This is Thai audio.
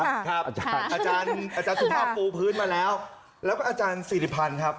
อาจารย์สุภาพปูพื้นมาแล้วแล้วก็อาจารย์สิริพันธ์ครับ